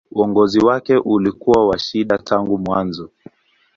Uongozi wake ulikuwa wa shida tangu mwanzo.